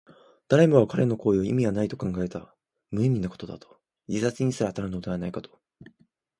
誰もが彼の行為に意味はないと考えた。無意味なことだと、自殺にすら当たるのではないかと。